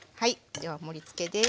では盛りつけです。